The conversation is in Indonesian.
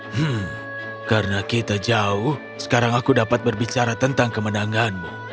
hmm karena kita jauh sekarang aku dapat berbicara tentang kemenanganmu